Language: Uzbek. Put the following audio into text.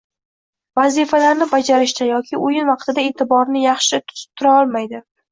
vazifalarni bajarishda yoki o‘yin vaqtida eʼtiborini yaxshi tutib tura olmaydi